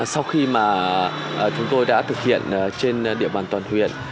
sau khi mà chúng tôi đã thực hiện trên địa bàn toàn huyện